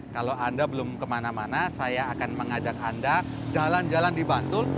kalau anda belum kemana mana saya akan mengajak anda jalan jalan di bantul